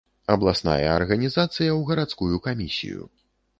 Абласная арганізацыя ў гарадскую камісію.